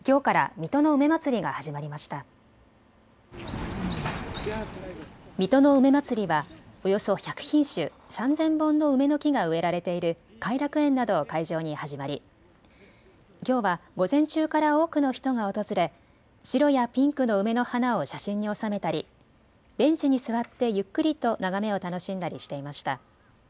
水戸の梅まつりはおよそ１００品種、３０００本の梅の木が植えられている偕楽園などを会場に始まりきょうは午前中から多くの人が訪れ、白やピンクの梅の花を写真に収めたりベンチに座ってゆっくりと眺めを楽しんだりしていました。